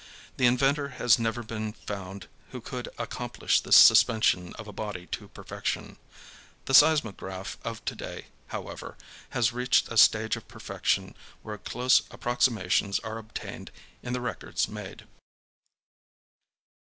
The inventor has never been found who could accomplish this suspension of a body to perfection. The seismograph of to day, however, has reached a stage of perfection where close approximations are obtained in the records made.